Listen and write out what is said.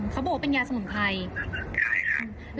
แฟนพี่รู้จักกับ